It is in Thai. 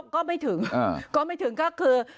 ก็ไม่ถึงก็ไม่ถึงก็คือ